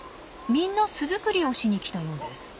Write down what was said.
みんな巣作りをしに来たようです。